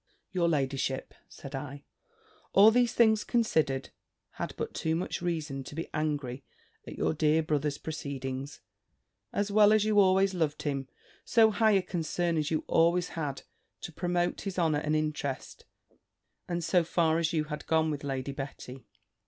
"Your ladyship," said I, "all these things considered, had but too much reason to be angry at your dear brother's proceedings, so well as you always loved him, so high a concern as you always had to promote his honour and interest, and so far as you had gone with Lady Betty."